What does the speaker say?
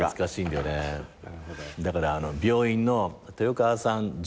だから病院の「豊川さん」状態。